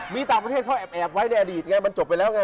มีต่างประเทศเขาแอบไว้ในอดีตไงมันจบไปแล้วไง